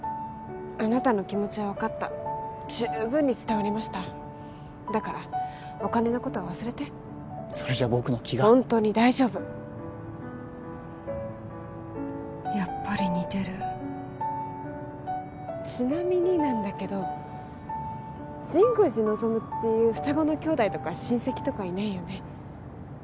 あなたの気持ちは分かった十分に伝わりましただからお金のことは忘れてそれじゃ僕の気がホントに大丈夫やっぱり似てるちなみになんだけど神宮寺望っていう双子の兄弟とか親戚とかいないよね？